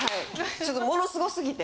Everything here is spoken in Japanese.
ちょっとものすご過ぎて。